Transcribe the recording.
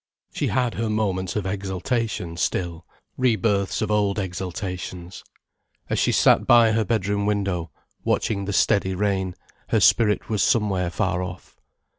She had her moments of exaltation still, re births of old exaltations. As she sat by her bedroom window, watching the steady rain, her spirit was somewhere far off.